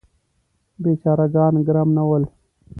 بیچاره ګان ګرم نه ول.